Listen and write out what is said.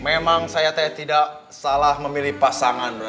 memang saya teh tidak salah memilih pasangan brother